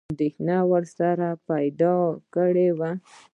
انېدښنه ورسره پیدا کړې وه.